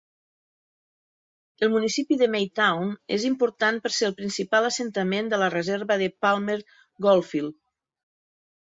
El municipi de Maytown és important per ser el principal assentament de la reserva de Palmer Goldfield.